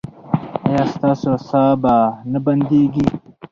ایا ستاسو ساه به نه بندیږي؟